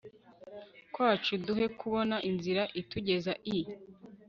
kwacu, duhe kubona inzira itugeza i